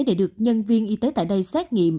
để được nhân viên y tế tại đây xét nghiệm